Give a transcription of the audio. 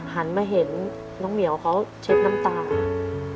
หันมาเห็นน้องเหมียวเขาเช็ดน้ำตา